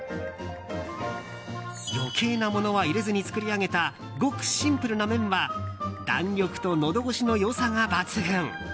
余計なものは入れずに作り上げたごくシンプルな麺は弾力とのど越しの良さが抜群。